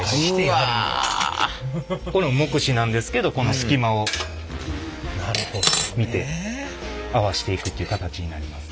これも目視なんですけどこの隙間を見て合わしていくっていう形になります。